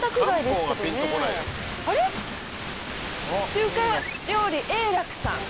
「中華料理永楽」さん。